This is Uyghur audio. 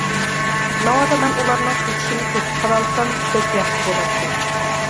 ناۋادا مەن ئۇلارنىڭ قېچىشىنى توسۇپ قالالىسام بەك ياخشى بولاتتى.